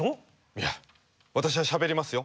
いや私はしゃべりますよ。